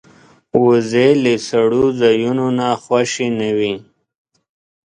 وزې له سړو ځایونو نه خوشې نه وي